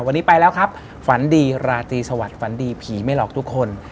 วันนี้ไปแล้วครับฝันดีราตรีสวัสดิฝันดีผีไม่หลอกทุกคน